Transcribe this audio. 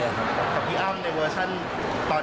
ในเวอร์ชั่นตอนนี้มาร่วมงานกันอีกครั้ง